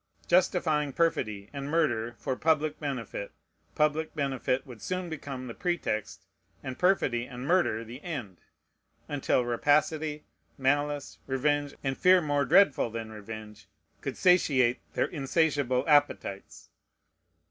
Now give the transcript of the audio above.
Justifying perfidy and murder for public benefit, public benefit would soon become the pretext, and perfidy and murder the end, until rapacity, malice, revenge, and fear more dreadful than revenge, could satiate their insatiable appetites.